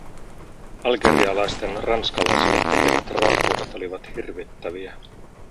Algerialaisten ranskalaisille tekemät raakuudet olivat hirvittäviä.